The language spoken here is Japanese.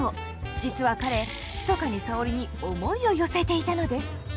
実は彼ひそかに沙織に思いを寄せていたのです。